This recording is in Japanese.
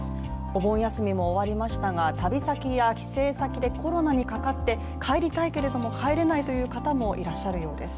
お盆休みも終わりましたが、旅先や帰省先でコロナにかかって帰りたいけれども帰れないという方もいらっしゃるようです。